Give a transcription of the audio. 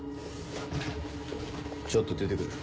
ちょっと出て来る。